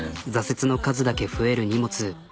挫折の数だけ増える荷物。